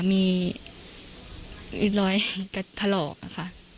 มีอยู่เลอียร์ฤย์กาลอก